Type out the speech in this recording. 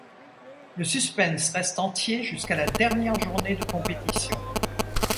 Le suspense reste entier jusqu'à la dernière journée de compétition.